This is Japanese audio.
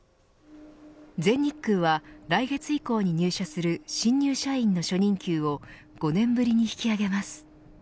全日空は、来月以降に入社する新入社員の初任給を５年ぶりに引き上げます。